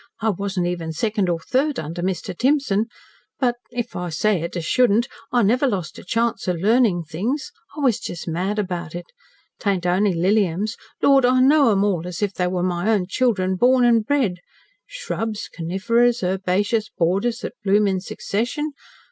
I wasn't even second or third under Mr. Timson but if I say it as shouldn't I never lost a chance of learning things. I was just mad about it. T'aint only Liliums Lord, I know 'em all, as if they were my own children born an' bred shrubs, coniferas, herbaceous borders that bloom in succession.